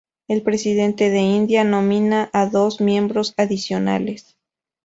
El presidente de India nomina a dos miembros adicionales.